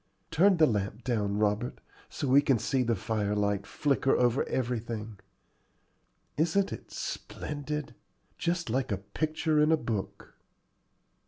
Turn the lamp down, Robert, so we can see the firelight flicker over everything. Isn't it splendid? just like a picture in a book."